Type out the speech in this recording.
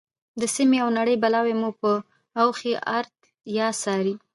د سیمې او نړۍ بلاوې مو په اوښیártیا څاري.